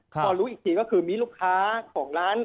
ตอนนี้ยังไม่ได้นะครับ